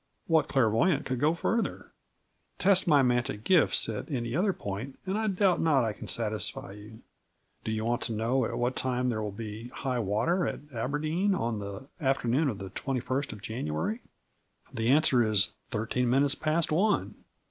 What clairvoyant could go further? Test my mantic gifts at any other point and I doubt not I can satisfy you. Do you want to know at what time there will be high water at Aberdeen on the afternoon of the 21th January? The answer is: "Thirteen minutes past one."